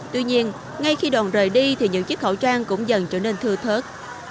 tuy nhiên ngay khi đoàn rời đi thì những chiếc khẩu trang cũng dần trở nên thưa thớt